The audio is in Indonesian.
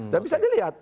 dan bisa dilihat